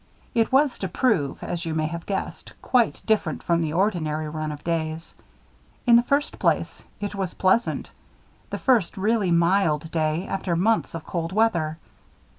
It was to prove, as you may have guessed, quite different from the ordinary run of days. In the first place, it was pleasant; the first really mild day, after months of cold weather.